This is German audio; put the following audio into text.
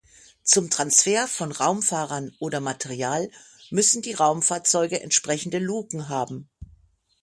Zum Transfer von Raumfahrern oder Material müssen die Raumfahrzeuge entsprechende Luken haben.